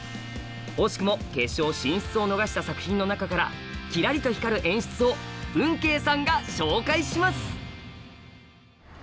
惜しくも決勝進出を逃した作品の中からきらりと光る演出をぶんけいさんが紹介します！